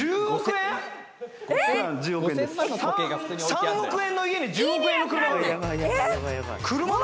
３億円の家に１０億円の車があるの？